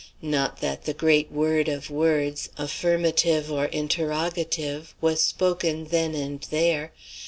Not that the great word of words affirmative or interrogative was spoken then or there.